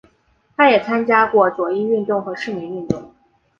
他也参加过左翼运动和市民运动。